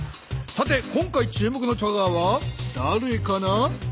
さて今回注目のチャガーはだれかな？